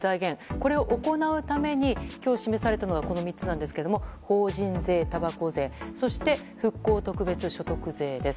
これを行うために今日示されたのはこの３つですが法人税、たばこ税そして復興特別所得税です。